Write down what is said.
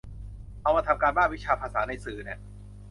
เอามาทำการบ้านวิชาภาษาในสื่อน่ะ